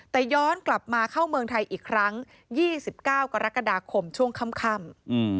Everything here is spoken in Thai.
แต่ย้อนกลับมาเข้าเมืองไทยอีกครั้ง๒๙กรกฎาคมช่วงค่ำ